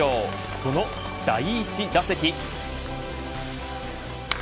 その第１打席。